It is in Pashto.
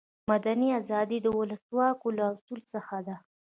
مدني آزادي د ولسواکي له اصولو څخه ده.